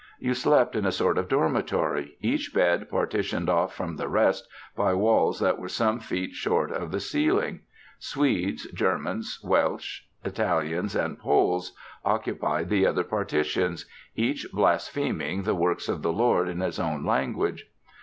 You slept in a sort of dormitory, each bed partitioned off from the rest by walls that were some feet short of the ceiling. Swedes, Germans, Welsh, Italians, and Poles occupied the other partitions, each blaspheming the works of the Lord in his own tongue.